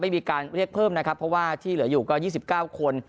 ไม่มีการเรียกเพิ่มนะครับเพราะว่าที่เหลืออยู่ก็ยี่สิบเก้าคน